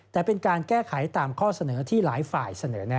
แต่เป็นการแก้ไขตามข้อเสนอที่หลายฝ่ายเสนอแน่